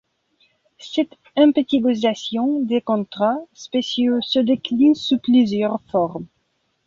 Cette impétigoisation des contrats spéciaux se décline sous plusieurs formes.